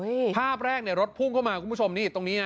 ภาพแรกเนี่ยรถพุ่งเข้ามาคุณผู้ชมนี่ตรงนี้นะ